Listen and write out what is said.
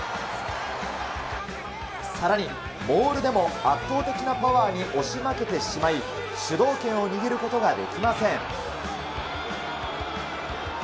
さらに、モールでも圧倒的なパワーに押し負けてしまい、主導権を握ることができません。